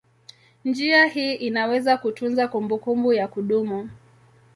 Njia hii inaweza kutunza kumbukumbu ya kudumu.